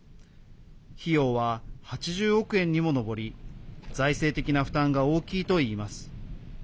費用は８０億円にも上り財政的な負担が大きいといいます。